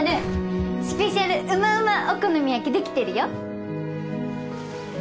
スペシャルうまうまお好み焼きできてるよ！